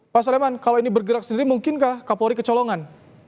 pak saleman kalau ini bergerak sendiri mungkinkah kapolri kecolongan